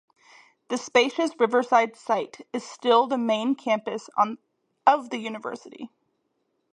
This spacious riverside site is still the main campus of the University.